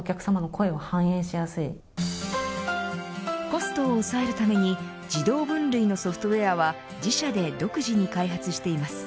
コストを抑えるために自動分類のソフトウエアは自社で独自に開発しています。